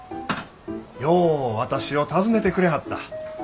よう私を訪ねてくれはった。